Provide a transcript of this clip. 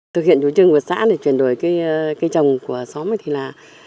thực hiện chủ trương của xã để chuyển đổi cây trồng của xóm thì là